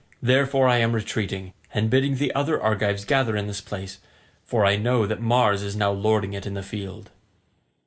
Therefore I am retreating, and bidding the other Argives gather in this place, for I know that Mars is now lording it in the field."